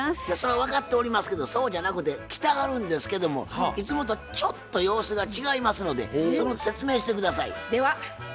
いやそれは分かっておりますけどそうじゃなくて来てはるんですけどもいつもとちょっと様子が違いますのでその説明して下さい。